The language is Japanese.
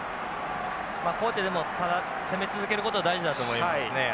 こうやってでも攻め続けることは大事だと思いますね。